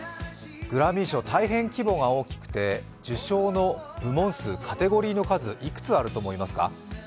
グラミー賞、大変規模が大きくて受賞の部門数、カテゴリーの数、いくつあると思いますか？